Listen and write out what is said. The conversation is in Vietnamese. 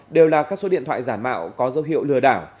đều là các số điện thoại giả mạo có dấu hiệu lừa đảo